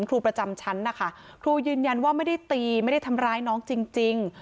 ครูประจำชั้นนะคะครูยืนยันว่าไม่ได้ตีไม่ได้ทำร้ายน้องจริง